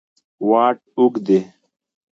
واټ اوږد دی.